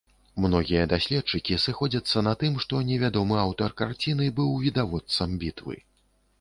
Многія даследчыкі сыходзяцца на тым, што невядомы аўтар карціны быў відавочцам бітвы.